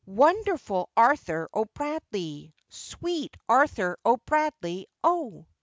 wonderful Arthur O'Bradley! Sweet Arthur O'Bradley, O!